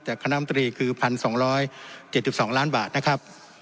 คณะมตรีคือ๑๒๗๒ล้านบาทนะครับ